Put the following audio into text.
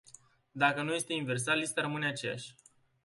Dacă nu este inversat, lista rămâne aceeași.